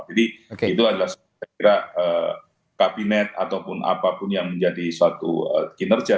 jadi itu adalah sebuah kabinet ataupun apapun yang menjadi suatu kinerjana